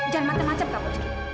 jangan macam macam kak coach